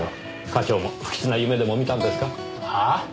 課長も不吉な夢でも見たんですか？はあ？